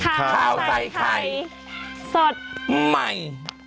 ข่าวใส่ไข่สดใหม่